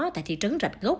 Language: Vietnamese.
tại thị trấn rạch gốc